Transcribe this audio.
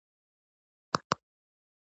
رېښتینې خپلواکي پر ځان متکي وي.